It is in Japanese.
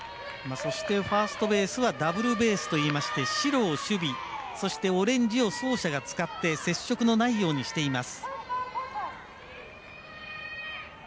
そしてファーストベースはダブルベースといいまして白を守備、そしてオレンジを走者が使って接触のないようにしています。